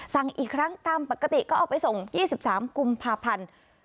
สั่งอีกครั้งตามปกติก็เอาไปส่ง๒๓กุมภาพันธ์